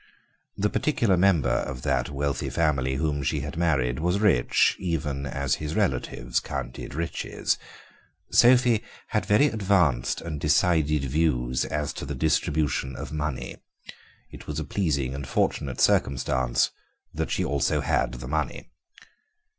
The particular member of that wealthy family whom she had married was rich, even as his relatives counted riches. Sophie had very advanced and decided views as to the distribution of money: it was a pleasing and fortunate circumstance that she also had the money.